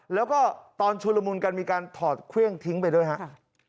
แล้วก็ตอนชุลมุนกันมีการถอดเครื่องทิ้งไปด้วยครับ